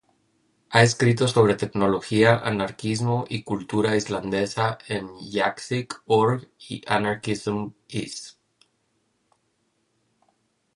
Ha escrito sobre tecnología, anarquismo, y cultura islandesa en Yaxic.org y Anarchism.is.